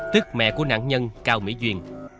tức mẹ của nạn nhân cao mỹ duyên